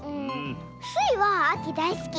スイはあきだいすき。